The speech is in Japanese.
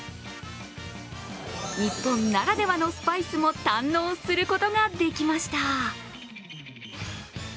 日本ならではのスパイスも堪能することができました。